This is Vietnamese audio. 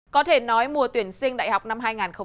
có thể nói mùa tuyển sinh đại học năm hai nghìn hai mươi